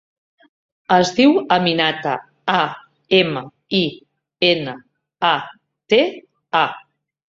Es diu Aminata: a, ema, i, ena, a, te, a.